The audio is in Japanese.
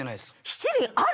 七輪ある？